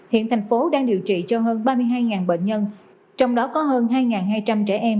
hiện thành phố đang điều trị cho hơn ba mươi hai bệnh nhân trong đó có hơn hai hai trăm linh trẻ em